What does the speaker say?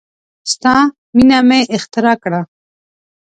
ستا مینه مې اختراع کړه